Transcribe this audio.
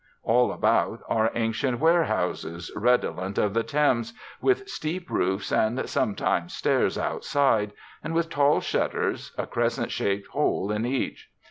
All about are ancient warehouses, redolent of the Thames, with steep roofs and sometimes stairs outside, and with tall shutters, a crescent shaped hole in each.